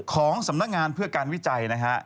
ของสำนักงานเพื่อการวิจัยนะฮะ